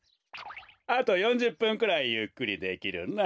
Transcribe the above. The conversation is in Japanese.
あと４０ぷんくらいゆっくりできるな。